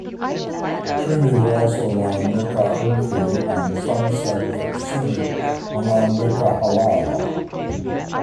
Sunnis also allow Nikah urfi and some sects of Sunni allow Nikah halala.